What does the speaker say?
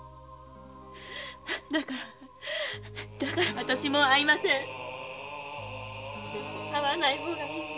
だからわたしも会いません会わない方がいいんだ。